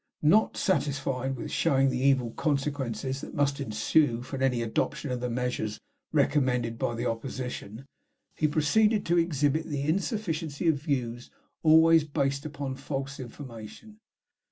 Not satisfied with showing the evil consequences that must ensue from any adoption of the measures recommended by the Opposition, he proceeded to exhibit the insufficiency of views always based upon false information.